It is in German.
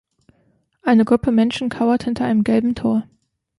Eine Gruppe Menschen kauert hinter einem gelben Tor.